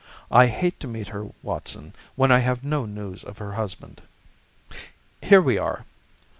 I hate to meet her, Watson, when I have no news of her husband. Here we are.